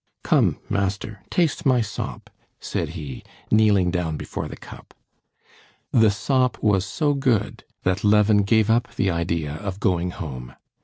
"Come, master, taste my sop," said he, kneeling down before the cup. The sop was so good that Levin gave up the idea of going home.